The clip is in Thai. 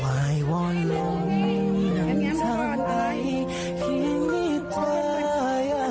อะไรวะ